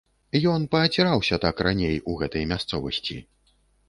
Ён пааціраўся так раней у гэтай мясцовасці.